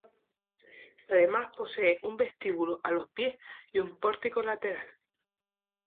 Además, posee un vestíbulo a los pies y un pórtico lateral.